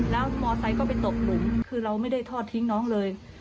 แล้วมอไซค์ก็ไปตกหลุมคือเราไม่ได้ทอดทิ้งน้องเลย